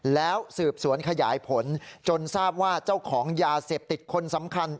แล้วสืบสวนขยายผลจนทราบว่าเจ้าของยาเสพติดคนสำคัญ